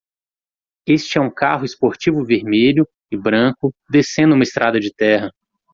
Este é um carro esportivo vermelho e branco descendo uma estrada de terra.